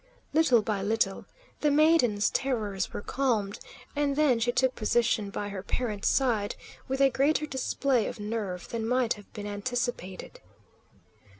Little by little, the maiden's terrors were calmed, and then she took position by her parent's side with a greater display of nerve than might have been anticipated.